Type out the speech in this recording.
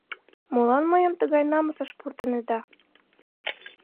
Молан мыйым тыгай намысыш пуртынеда?